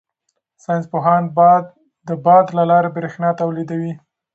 ساینس پوهان د باد له لارې بریښنا تولیدوي.